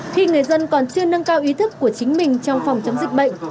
khi người dân còn chưa nâng cao ý thức của chính mình trong phòng chống dịch bệnh